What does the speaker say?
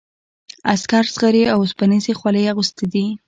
عسکرو زغرې او اوسپنیزې خولۍ اغوستي دي.